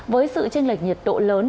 với sự chênh lệch nhiệt độ lớn